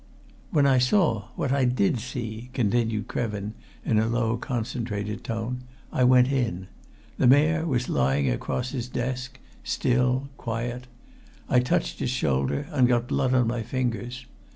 "When I saw what I did see," continued Krevin, in a low, concentrated tone, "I went in. The Mayor was lying across his desk, still, quiet. I touched his shoulder and got blood on my fingers.